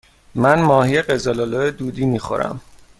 من ماهی قزل آلا دودی می خورم.